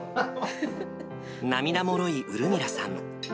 涙もろいウルミラさん。